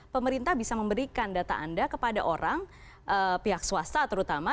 pemerintah bisa memberikan data anda kepada orang pihak swasta terutama